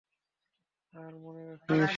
আর মনে রাখিস!